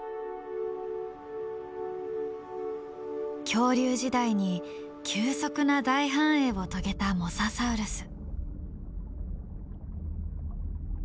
恐竜時代に急速な大繁栄を遂げたモササウルス。